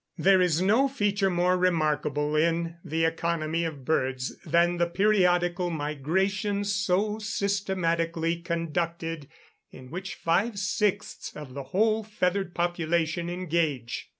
There is no feature more remarkable in the economy of birds than the periodical migrations, so systematically conducted, in which five sixths of the whole feathered population engage.